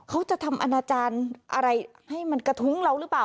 เขาจะทำอนาจารย์อะไรให้มันกระทุ้งเราหรือเปล่า